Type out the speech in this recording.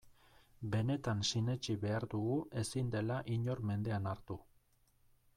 Benetan sinetsi behar dugu ezin dela inor mendean hartu.